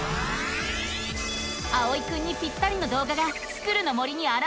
あおいくんにぴったりのどうがが「スクる！の森」にあらわれた。